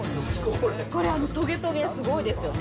これ、とげとげすごいですよね。